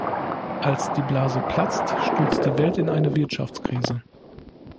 Als die Blase platzt, stürzt die Welt in eine Wirtschaftskrise.